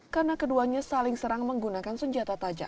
karena keduanya saling serang menggunakan senjata tajam